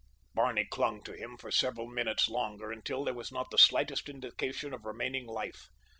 Barney clung to him for several minutes longer, until there was not the slightest indication of remaining life.